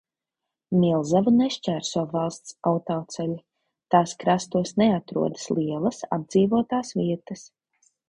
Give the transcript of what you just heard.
Milzavu nešķērso valsts autoceļi, tās krastos neatrodas lielas apdzīvotās vietas.